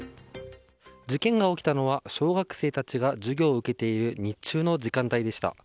事件が起きたのは小学生たちが授業を受けている日中の時間帯でした。